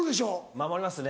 守りますね。